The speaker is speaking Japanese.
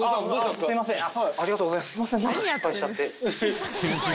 すいません何か。